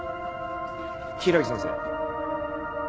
・柊木先生。